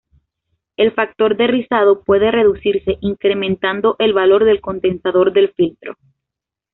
El factor de rizado puede reducirse incrementando el valor del condensador del filtro.